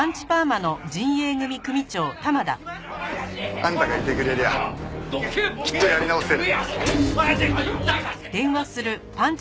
あんたがいてくれりゃきっとやり直せる。